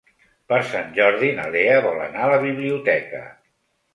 Per Sant Jordi na Lea vol anar a la biblioteca.